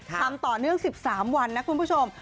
ทำต่อเนื่อง๑๓วันนะคุณผู้ชม